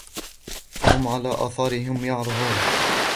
فهم على آثارهم يهرعون